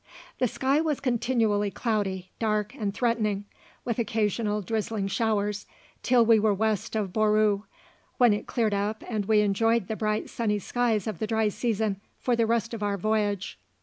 The sky was continually cloudy, dark, and threatening, with occasional drizzling showers, till we were west of Bouru, when it cleared up and we enjoyed the bright sunny skies of the dry season for the rest of our voyage.